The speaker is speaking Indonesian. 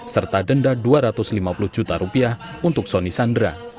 serta denda dua ratus lima puluh juta rupiah untuk soni sandra